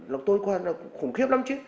làm tôi coi nó khủng khiếp lắm chứ